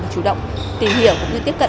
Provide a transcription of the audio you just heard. phải chủ động tìm hiểu cũng như tiếp cận